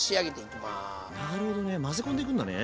なるほどね混ぜ込んでいくんだね。